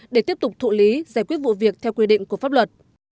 để tiếp tục thụ lý giải quyết vụ việc theo quy định của pháp luật